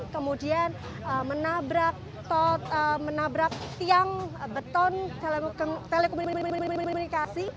kemudian menabrak tiang beton telekomunikasi